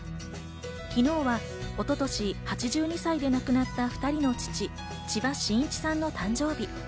昨日は、一昨年８２歳で亡くなった２人の父・千葉真一さんの誕生日。